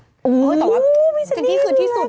ตอบว่าเจนนี่คือที่สุด